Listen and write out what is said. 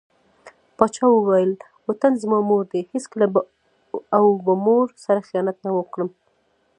پاچا وويل: وطن زما مور دى هېڅکله او به مور سره خيانت ونه کړم .